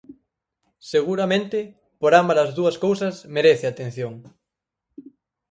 Seguramente por ámbalas dúas cousas merece atención.